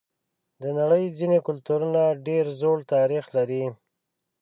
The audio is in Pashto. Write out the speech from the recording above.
د نړۍ ځینې کلتورونه ډېر زوړ تاریخ لري.